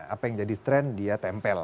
apa yang jadi tren dia tempel